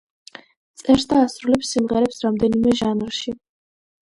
წერს და ასრულებს სიმღერებს რამდენიმე ჟანრში.